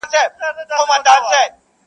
او خبري نه ختمېږي هېڅکله-